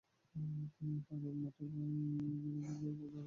তিনি মাঠে পায়ের উপর ভর করে দাঁড়িয়ে রয়েছেন।